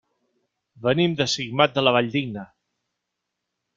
Venim de Simat de la Valldigna.